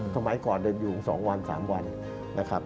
สมัยก่อนเดินอยู่๒วัน๓วันนะครับ